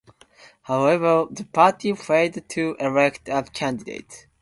However, the party failed to elect a candidate.